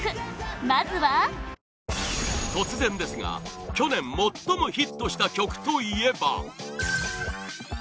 まずは突然ですが去年最もヒットした曲といえば